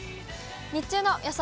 日中の予想